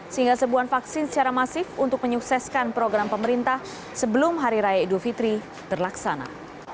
sehingga sebuah vaksin secara masif untuk menyukseskan program pemerintah sebelum hari raya idul fitri terlaksana